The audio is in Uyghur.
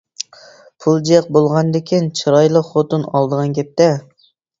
پۇل جىق بولغاندىكىن چىرايلىق خوتۇن ئالىدىغان گەپتە.